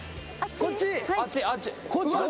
こっち。